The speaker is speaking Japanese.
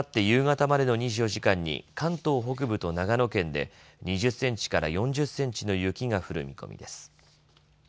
夕方までの２４時間に関東北部と長野県で２０センチから４０センチの雪が降る見込みです。